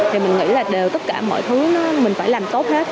thì mình nghĩ là đều tất cả mọi thứ mình phải làm tốt hết